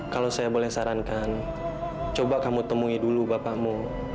kalau saya boleh sarankan coba kamu temui dulu bapakmu